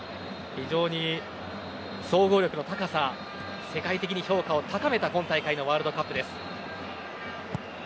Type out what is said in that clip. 非常に総合力の高さ世界的に評価を高めた今大会のワールドカップです。